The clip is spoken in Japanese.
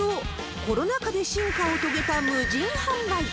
コロナ禍で進化を遂げた無人販売。